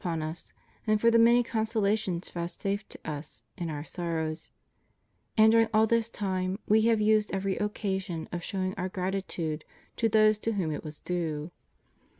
165 upon Us, and for the many consolations vouchsafed to Us in Our sorrows; and during all this time We have used every occasion of showing Our gratitude to those to whom it was due.